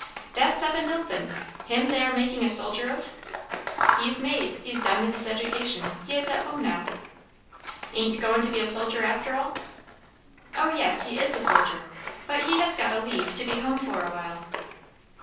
"That's Evan Knowlton! him they are making a soldier of?" "He's made. He's done with his education. He is at home now." "Ain't goin' to be a soldier after all?" "O yes; he is a soldier; but he has got a leave, to be home for awhile."